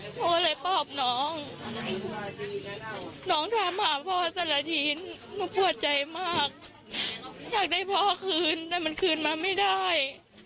พ่อเลยปอบน้องน้องถามหาพ่อแต่ละทีหนูปวดใจมากอยากได้พ่อคืนแต่มันคืนมาไม่ได้